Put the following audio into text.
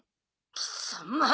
貴様！